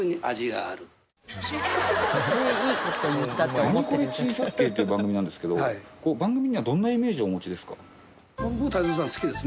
『ナニコレ珍百景』っていう番組なんですけど番組にはどんなイメージをお持ちですか？